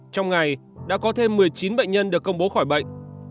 trong ngày đã có thêm một mươi chín bệnh nhân được công bố khỏi bệnh